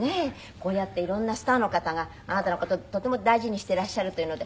こうやって色んなスターの方があなたの事とても大事にしてらっしゃるというので。